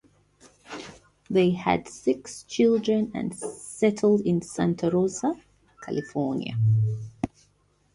They had six children and settled in Santa Rosa, California.